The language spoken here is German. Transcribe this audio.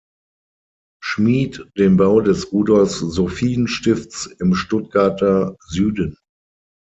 Schmid den Bau des Rudolf-Sophien-Stifts im Stuttgarter Süden.